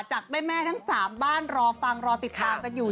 จากแม่ทั้ง๓บ้านรอฟังรอติดตามกันอยู่